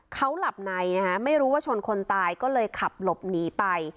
เขาหลับในนะฮะไม่รู้ว่าชนคนตายก็เลยขับหลบหนีไป